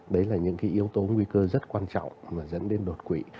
đấy là những yếu tố nguy cơ rất quan trọng dẫn đến đột quỵ